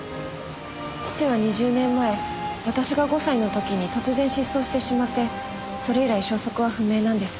父は２０年前私が５歳の時に突然失踪してしまってそれ以来消息は不明なんです。